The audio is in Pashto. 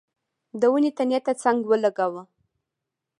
د ونې تنې ته څنګ ولګاوه.